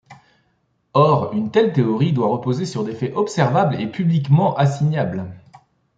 Or, une telle théorie doit reposer sur des faits observables et publiquement assignables.